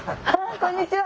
こんにちは。